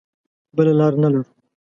بله لاره نه لرو.